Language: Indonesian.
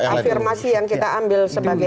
afirmasi yang kita ambil sebagai